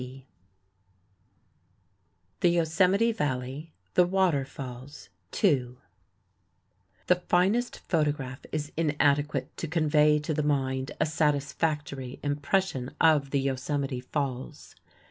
YOSEMITE NATIONAL PARK] THE YOSEMITE VALLEY The Waterfalls TWO The finest photograph is inadequate to convey to the mind a satisfactory impression of the Yosemite Falls.